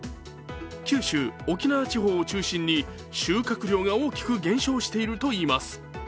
九州・沖縄地方を中心に収穫量が大きく減少しているといいます。